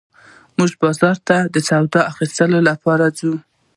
موږ بازار ته د سودا اخيستلو لپاره ځو